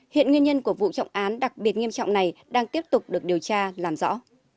hiện nguyên nhân của vụ trọng án đặc biệt nghiêm trọng này đang tiếp tục được điều tra làm rõ